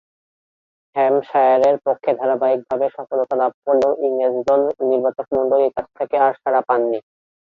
হ্যাম্পশায়ারের পক্ষে ধারাবাহিকভাবে সফলতা লাভ করলেও ইংরেজ দল নির্বাচকমণ্ডলীর কাছ থেকে আর সাড়া পাননি।